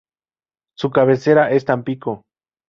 Su cabecera es Tampico.